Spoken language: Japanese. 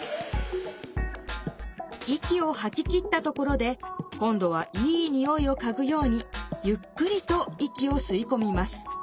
息をはききったところで今どはいいにおいをかぐようにゆっくりと息をすいこみます。